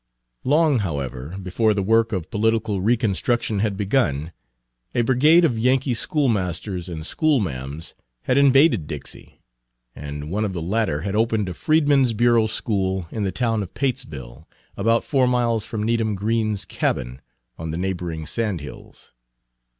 Long, however, before the work of political reconstruction had begun, a brigade of Yankee schoolmasters and schoolma'ams had invaded Dixie, and one of the latter had opened a Freedman's Bureau School in the town of Patesville, about four miles from Needham Green's cabin on the neighboring sandhills.